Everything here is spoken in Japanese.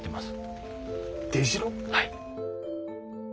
はい。